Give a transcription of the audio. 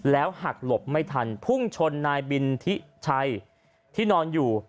หักหลบไม่ทันพุ่งชนนายบินทิชัยที่นอนอยู่